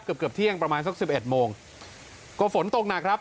เกือบเกือบเที่ยงประมาณสักสิบเอ็ดโมงก็ฝนตกหนักครับ